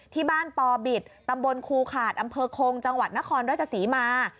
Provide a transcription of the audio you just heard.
ที่บ้านปอบิตตำบลครูขาดอำเภอคงจังหวัดนครราชศรีมา